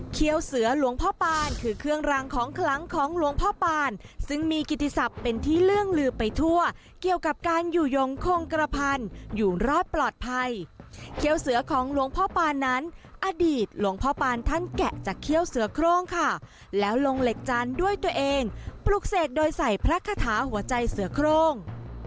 เสือหลวงพ่อปานคือเครื่องรางของคลังของหลวงพ่อปานซึ่งมีกิติศัพท์เป็นที่เรื่องลือไปทั่วเกี่ยวกับการอยู่ยงคงกระพันอยู่รอดปลอดภัยเคี้ยวเสือของหลวงพ่อปานนั้นอดีตหลวงพ่อปานท่านแกะจากเขี้ยวเสือโครงค่ะแล้วลงเหล็กจานด้วยตัวเองปลุกเสกโดยใส่พระคาถาหัวใจเสือโครง